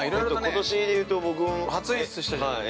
◆ことしでいうと、僕、初演出したじゃない。